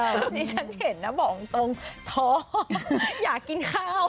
ที่ฉันเห็นนะบอกตรงท้องอยากกินข้าว